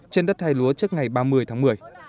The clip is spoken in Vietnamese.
trên đất hay lúa trước ngày ba mươi tháng một mươi